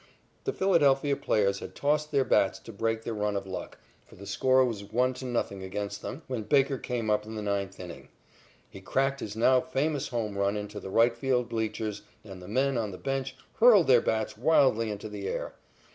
The Philadelphia players had tossed their bats to break their run of luck, for the score was 1 to 0 against them, when Baker came up in the ninth inning. He cracked his now famous home run into the right field bleachers, and the men on the bench hurled the bats wildly into the air.